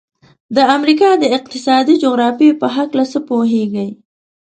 د امریکا د اقتصادي جغرافیې په هلکه څه پوهیږئ؟